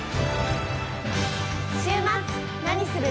週末何する？